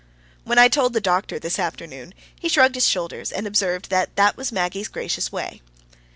When I told the doctor this afternoon, he shrugged his shoulders, and observed that that was Maggie's gracious way.